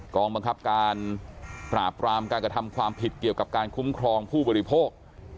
กองบังคับการปราบรามการกระทำความผิดเกี่ยวกับการคุ้มครองผู้บริโภค